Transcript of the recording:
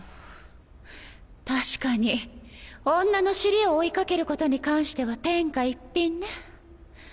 確かに女の尻を追い掛けることに関しては天下一品ね。